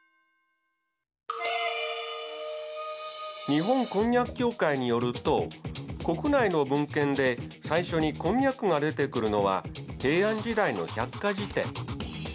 日本こんにゃく協会によると国内の文献で最初にこんにゃくが出てくるのは平安時代の百科事典。